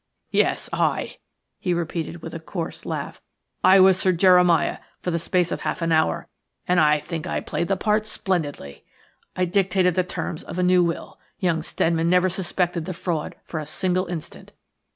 Yes, I!" he repeated with a coarse laugh, "I was Sir Jeremiah for the space of half an hour, and I think that I played the part splendidly. I dictated the terms of a new will. Young Steadman never suspected the fraud for a single instant.